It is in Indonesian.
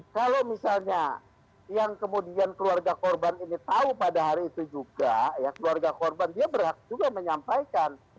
kalau misalnya yang kemudian keluarga korban ini tahu pada hari itu juga ya keluarga korban dia berhak juga menyampaikan